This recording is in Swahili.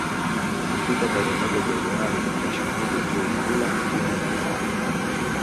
kufika tarehe moja Januari ni shughuli tu kula kunywa kusaza